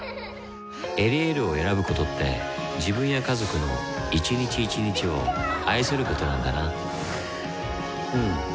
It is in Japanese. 「エリエール」を選ぶことって自分や家族の一日一日を愛することなんだなうん。